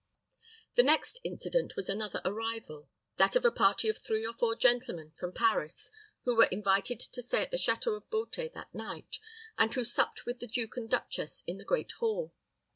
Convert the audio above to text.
The next incident was another arrival, that of a party of three or four gentlemen from Paris who were invited to stay at the château of Beauté that night, and who supped with the duke and duchess in the great hall.